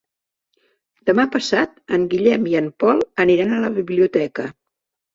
Demà passat en Guillem i en Pol aniran a la biblioteca.